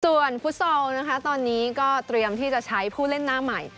ส่วนฟุตซอลนะคะตอนนี้ก็เตรียมที่จะใช้ผู้เล่นหน้าใหม่